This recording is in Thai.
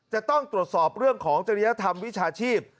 จะต้องตรวจสอบเรื่องของจริยธรรมวิชาชีพ